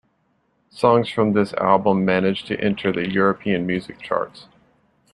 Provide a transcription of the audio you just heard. Songs from this album managed to enter the European music charts.